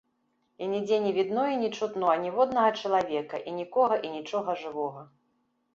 І нідзе не відно і не чутно аніводнага чалавека і нікога і нічога жывога.